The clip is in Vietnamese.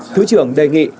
thứ trưởng đề nghị